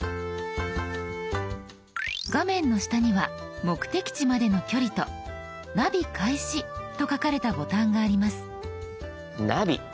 画面の下には目的地までの距離と「ナビ開始」と書かれたボタンがあります。